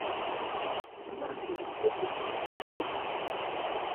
Mbɔ́ mbɔɔ líkŋɛ súsúk pɔ.